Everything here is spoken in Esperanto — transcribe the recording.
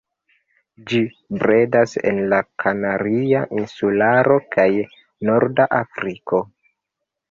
Ĝi bredas en la Kanaria Insularo kaj norda Afriko.